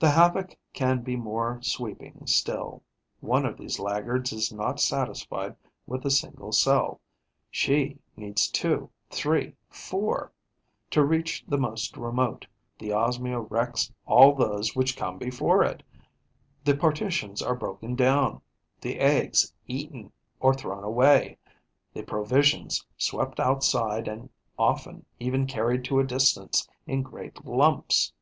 The havoc can be more sweeping still. One of these laggards is not satisfied with a single cell; she needs two, three, four. To reach the most remote, the Osmia wrecks all those which come before it. The partitions are broken down, the eggs eaten or thrown away, the provisions swept outside and often even carried to a distance in great lumps.